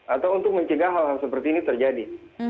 atau untuk mencegah hal hal seperti ini terjadi